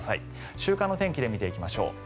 週間の天気で見ていきましょう。